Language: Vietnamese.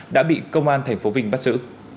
đã bị công an tp vinh bắt giữ